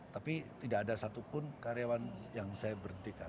tapi tidak ada satupun karyawan yang saya berhentikan